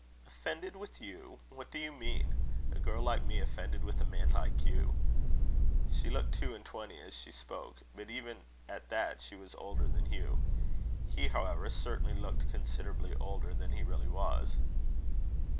"Offended with you! What do you mean? A girl like me offended with a man like you?" She looked two and twenty as she spoke; but even at that she was older than Hugh. He, however, certainly looked considerably older than he really was.